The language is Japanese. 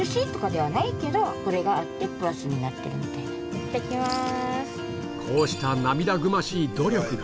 いってきます。